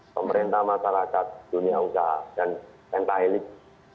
pemerintah masyarakat dunia ucah dan tenta helik